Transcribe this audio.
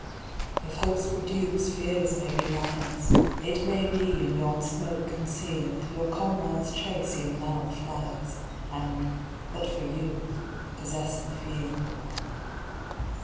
If hopes were dupes, fears may be liars; It may be, in yon smoke conceal'd, Your comrades chase e'en now the fliers, And, but for you, possess the field.